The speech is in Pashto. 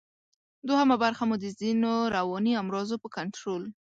دوهمه برخه مو د ځینو رواني امراضو په کنټرول